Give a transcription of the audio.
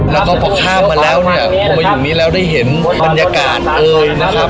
แล้วก็พอข้ามมาแล้วเนี่ยพอมาอยู่นี้แล้วได้เห็นบรรยากาศเอ่ยนะครับ